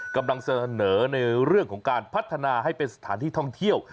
กำลังเสนอในเรื่องของการพัฒนาให้เป็นสถานที่ท่องเที่ยว